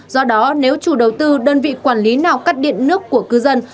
do đó nếu chủ đầu tư đơn vị quản lý nào cắt điện nước của cư dân